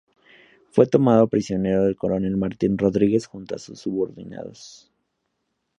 Fue tomado prisionero el coronel Martín Rodríguez junto a sus subordinados.